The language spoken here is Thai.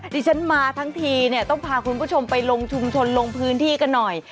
ดิฉันมาทั้งทีเนี่ยต้องพาคุณผู้ชมไปลงชุมชนลงพื้นที่กันหน่อย